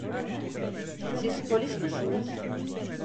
Siz polis misiniz?